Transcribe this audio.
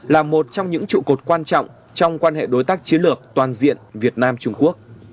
là một trong những trụ cột quan trọng trong quan hệ đối tác chiến lược toàn diện việt nam trung quốc